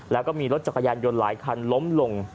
แล้วก็มีรถจักรยานยนต์หลายคันล้มลง